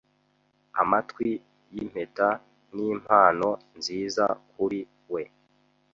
Amatwi yimpeta nimpano nziza kuri we.